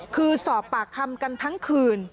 คือสอบปากคำกันทั้งคืน